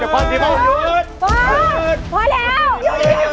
เจ้าสมบัติปล่อย